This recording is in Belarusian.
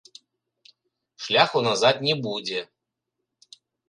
Шляху назад не будзе.